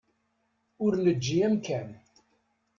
Ur neǧǧi amkan.